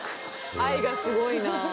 愛がすごいなあ。